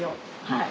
はい。